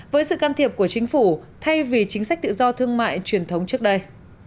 với sự can thiệp của chính phủ thay vì chính sách tự do thương mại truyền thống trước đây